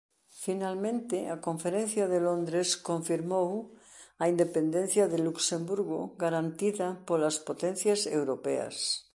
Finalmente a Conferencia de Londres confirmou a independencia de Luxemburgo garantida polas potencias europeas.